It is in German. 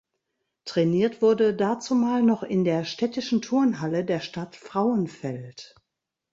Trainiert wurde dazumal noch in der städtischen Turnhalle der Stadt Frauenfeld.